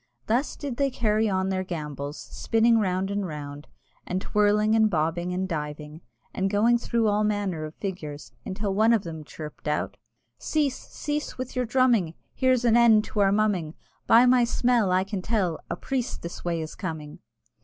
Thus did they carry on their gambols, spinning round and round, and twirling and bobbing and diving, and going through all manner of figures, until one of them chirped out, "Cease, cease, with your drumming, Here's an end to our mumming; By my smell I can tell A priest this way is coming!"